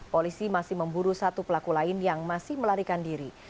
polisi masih memburu satu pelaku lain yang masih melarikan diri